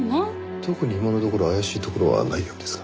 特に今のところ怪しいところはないようですが。